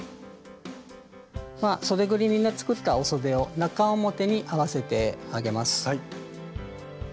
そでぐりにね作ったおそでを中表に合わせてあげます。